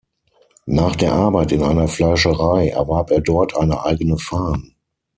Nach der Arbeit in einer Fleischerei erwarb er dort eine eigene Farm.